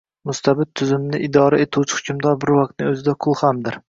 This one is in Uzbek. Mustabid tuzumni idora etuvchi hukmdor bir vaqtning o‘zida qul hamdir.